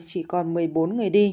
chỉ còn một mươi bốn người đi